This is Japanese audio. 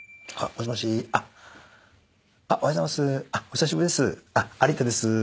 お久しぶりです。